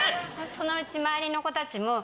そのうち周りの子たちも。